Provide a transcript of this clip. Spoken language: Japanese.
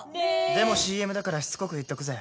でもＣＭだからしつこく言っとくぜ！